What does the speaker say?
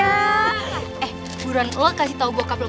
eh buruan lo kasih tau bokap lo